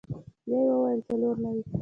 بيا يې وويل څلور نوي.